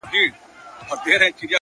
ځوان پر لمانځه ولاړ دی”